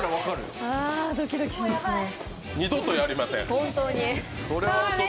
二度とやりません。